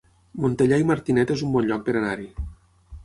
Montellà i Martinet es un bon lloc per anar-hi